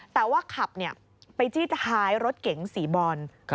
แต่ว่าขับไปจี้ท้ายรถเก๋งสีบอล